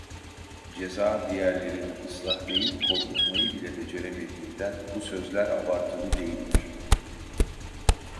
Ceza, diğerlerini ıslah değil, korkutmayı bile beceremediğinden bu sözler abartılı değildir.